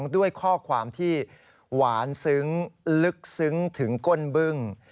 ด้วยข้อความที่หวานซึ้งลึกซึ้งถึงก้นบึ้ง